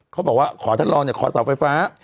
เขาบอกว่าขอท่านรองเนี่ยขอเสาไฟฟ้า